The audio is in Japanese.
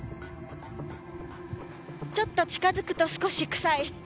ちょっと近付くと少し臭い。